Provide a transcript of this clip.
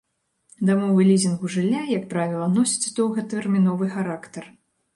Дамовы лізінгу жылля, як правіла носяць доўгатэрміновы характар.